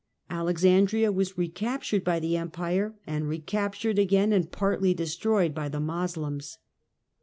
Alexandria was recaptured by the Empire, and recaptured again and partly destroyed by the Moslems.